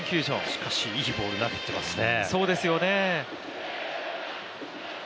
しかしいいボール投げてますね。